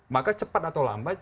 maka cepat atau lambat